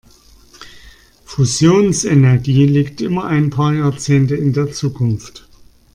Fusionsenergie liegt immer ein paar Jahrzehnte in der Zukunft.